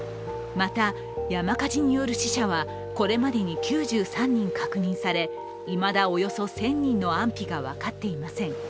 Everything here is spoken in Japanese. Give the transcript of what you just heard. また、山火事による死者はこれまでに９３人確認されいまだおよそ１０００人の安否が分かっていません。